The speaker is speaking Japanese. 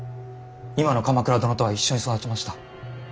今の鎌倉殿とは一緒に育ちました。